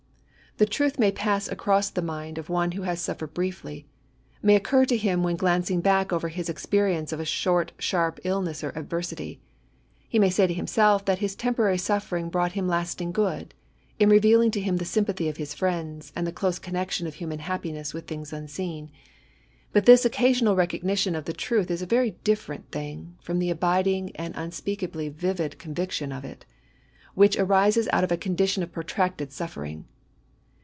The truth may pass across the mind of ohei B 2 ASSAYS. who has suffered briefly — may occur to him when glancing back over his experience of a short sharp iUness or adversity. He may say to himself that his temporary suffering brought him lastmg good, in revealing to him the sympathy of his friends, and the close connexion of human happiness with things unseen ; but this occasional recognition of the truth is a very different thing from the abiding and unspeakably vivid conviction of it, which arises out of a condition of protracted suffering.